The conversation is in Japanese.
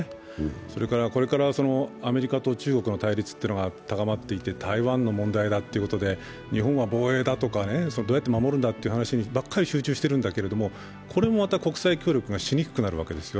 それから、これからアメリカと中国の対立が高まっていって、台湾の問題だということで日本は防衛だとかどうやって守るんだという話ばっかりに集中しているんだけれども、これもまた国際協力がしにくくなるわけです。